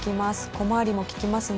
小回りも利きますね。